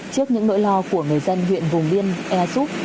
trước những nỗi lo của người dân huyện vùng liên e soup